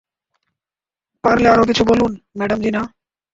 পারলে আরো কিছু বলুন, ম্যাডাম জিনা।